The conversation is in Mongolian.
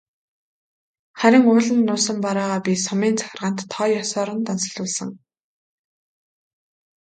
Харин ууланд нуусан бараагаа би сумын захиргаанд тоо ёсоор нь данслуулсан.